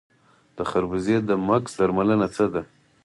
د خربوزې د مګس درملنه څه ده؟